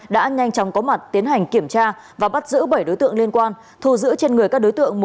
đã nhanh chóng có mặt tiến hành kiểm tra và bắt giữ bảy đối tượng liên quan thu giữ trên người các đối tượng